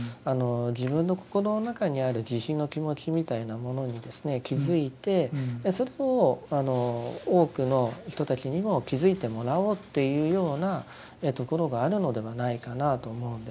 自分の心の中にある慈悲の気持ちみたいなものに気付いてそれを多くの人たちにも気付いてもらおうっていうようなところがあるのではないかなと思うんです。